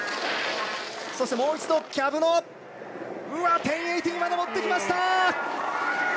そして、もう一度キャブの１０８０まで持ってきました！